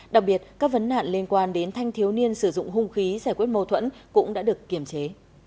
đặc biệt các vấn nạn liên quan đến thanh thiếu niên sử dụng hung khí giải quyết mâu thuẫn cũng đã được kiềm chế